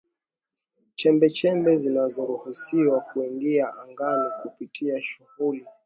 chembechembe zinazoruhusiwa kuingia angani kupitia shughuli